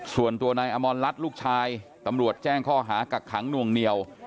ส่วนตัวนายอมรรัฐลูกชายตำรวจแจ้งข้อหากักขังนวงเหนียว